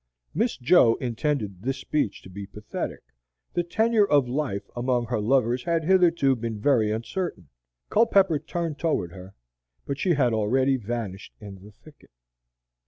Miss Jo intended this speech to be pathetic; the tenure of life among her lovers had hitherto been very uncertain. Culpepper turned toward her, but she had already vanished in the thicket.